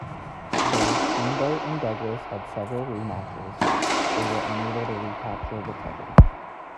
Though Steamboat and Douglas had several rematches, they were unable to recapture the titles.